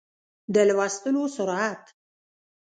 د لوستلو سرعت